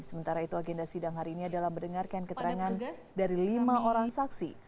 sementara itu agenda sidang hari ini adalah mendengarkan keterangan dari lima orang saksi